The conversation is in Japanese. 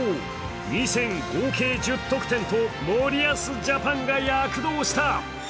２戦合計１０得点と森保ジャパンが躍動した。